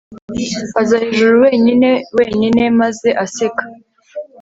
Aza hejuru wenyine wenyine maze aseka